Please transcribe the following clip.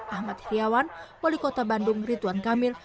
ahmad hiryawan polikota bandung rituan kamil